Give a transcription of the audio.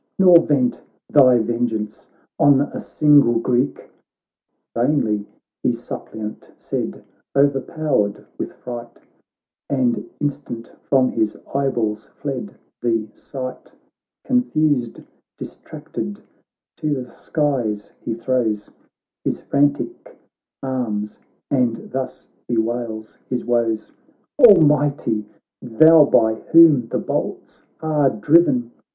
Nor vent thy vengeance on a single Greek.' Vainly he suppliant said — o'erpowered with fright, And instant from his eyeballs fled the sight ; Confused, distracted, to the skies he throws His frantic arms, and thus bewails his woes: ' Almighty ! thou by whom the bolts are driven